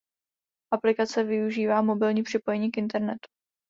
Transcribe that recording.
Aplikace využívá mobilní připojení k internetu.